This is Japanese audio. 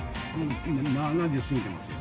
７０過ぎてますよ。